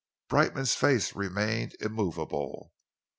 Brightman's face remained immovable.